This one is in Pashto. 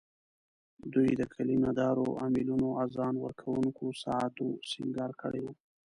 دوی د کلیمه دارو امېلونو، اذان ورکوونکو ساعتو سینګار کړي وو.